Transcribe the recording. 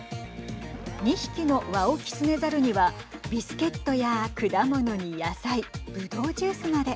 ２匹のワオキツネザルにはビスケットや果物に野菜ぶどうジュースまで。